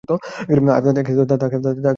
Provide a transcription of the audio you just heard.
তাকে নিয়ে যাও!